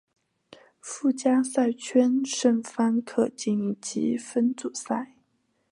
附加赛圈胜方可晋级分组赛。